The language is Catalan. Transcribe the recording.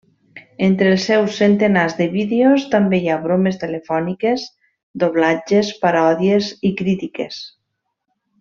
Entre els seus centenars de vídeos també hi ha bromes telefòniques, doblatges, paròdies i crítiques.